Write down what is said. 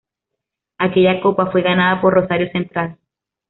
Aquella copa, fue ganada por Rosario Central.